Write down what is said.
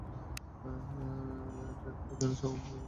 এটা এখন পর্যন্ত সবচেয়ে জঘন্য লোকেশনের মধ্যে একটি।